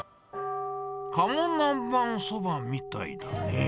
カモ南蛮そばみたいだね。